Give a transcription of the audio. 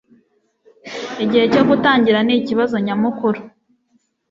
Igihe cyo gutangira nikibazo nyamukuru